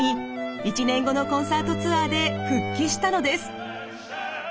１年後のコンサートツアーで復帰したのです。